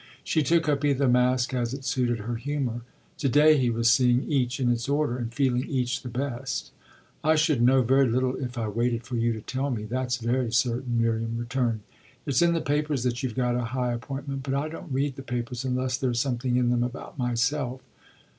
She took up either mask as it suited her humour. To day he was seeing each in its order and feeling each the best. "I should know very little if I waited for you to tell me that's very certain," Miriam returned. "It's in the papers that you've got a high appointment, but I don't read the papers unless there's something in them about myself.